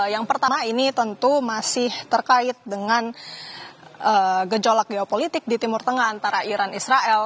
yang pertama ini tentu masih terkait dengan gejolak geopolitik di timur tengah antara iran israel